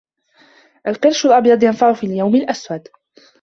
القرش الأبيض ينفع في اليوم الأسود